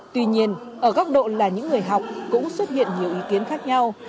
tuy nhiên ở góc độ là những người học cũng xuất hiện nhiều ý kiến khác nhau